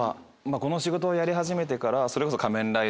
この仕事をやり始めてからそれこそ。